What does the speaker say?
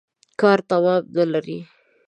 کار تمام نلري.